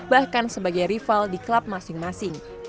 bahkan sebagai rival di klub masing masing